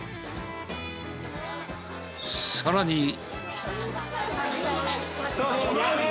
さらに。